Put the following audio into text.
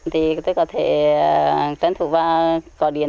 tôi có thể tân thủ vào cỏ điện